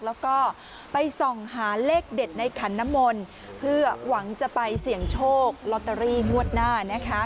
แล้วก็ไปส่องหาเลขเด็ดในขันน้ำมนต์เพื่อหวังจะไปเสี่ยงโชคลอตเตอรี่งวดหน้านะคะ